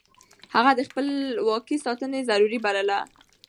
هغه د خپلواکۍ ساتنه ضروري بلله.